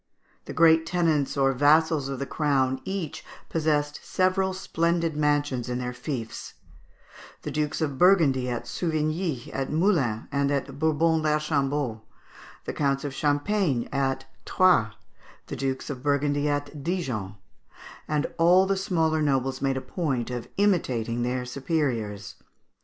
The great tenants or vassals of the crown each possessed several splendid mansions in their fiefs; the Dukes of Burgundy, at Souvigny, at Moulins, and at Bourbon l'Archambault; the Counts of Champagne, at Troyes; the Dukes of Burgundy, at Dijon; and all the smaller nobles made a point of imitating their superiors.